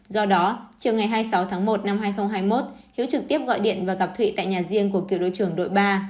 do đó chiều ngày hai mươi sáu tháng một năm hai nghìn hai mươi một hiếu trực tiếp gọi điện và gặp thụy tại nhà riêng của cựu đội trưởng đội ba